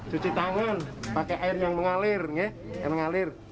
cuci tangan pakai air yang mengalir